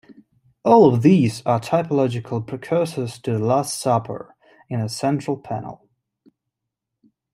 All of these are typological precursors to the Last Supper in the central panel.